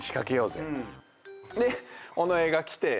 で尾上が来て。